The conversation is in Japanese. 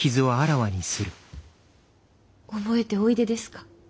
覚えておいでですか？